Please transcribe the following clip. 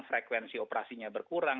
frekuensi operasinya berkurang